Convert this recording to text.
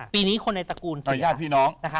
ปีนี้คนในตระกูลเสีย